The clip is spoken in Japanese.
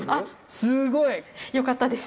すごい。よかったです。